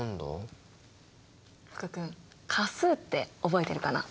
福君価数って覚えてるかな？